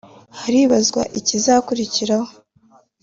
haribazwa ikizakurikiraho